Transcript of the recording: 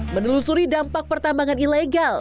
menelusuri dampak pertambangan ilegal